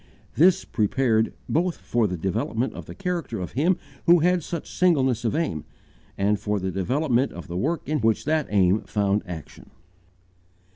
This prepared both for the development of the character of him who had such singleness of aim, and for the development of the work in which that aim found action.